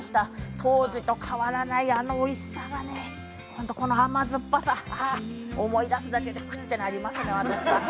当時と変わらないあのおいしさがね、あの甘酸っぱさ、ああ、思い出すだけでくっ、ってなります、私。